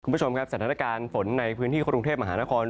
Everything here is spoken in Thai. คุณผู้ชมครับสถานการณ์ฝนในพื้นที่กรุงเทพมหานคร